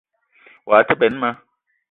Woua te benn ma